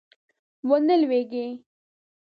ونه لویږي